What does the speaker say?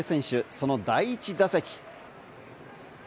その第１打席。